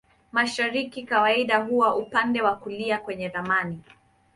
Mashariki kawaida huwa upande wa kulia kwenye ramani.